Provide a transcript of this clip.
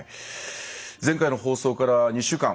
前回の放送から２週間。